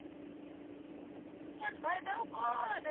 inatakiwa uombe msamaha wakati unarekebisha makosa uliyoyafanya